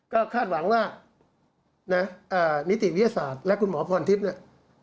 ก็คาดหวังว่านะนิติวิทยาศาสตร์และคุณหมอพรทิพย์เนี่ย